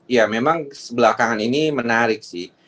ya memang belakangan ini menarik sih